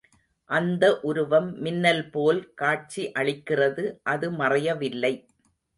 அந்த உருவம் மின்னல்போல் காட்சி அளிக்கிறது அது மறையவில்லை.